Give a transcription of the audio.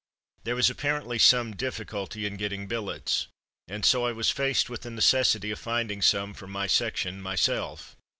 There was apparently some difficulty in getting billets, and so I was faced with the necessity of finding some for my section myself.